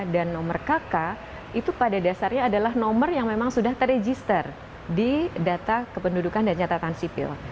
dan nomor kk itu pada dasarnya adalah nomor yang memang sudah terregister di data kependudukan dan nyatatan sipil